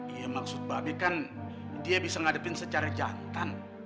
iya maksud babi kan dia bisa ngadepin secara jantan